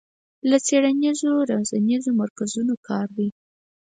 له څېړنیزو روزنیزو مرکزونو کار دی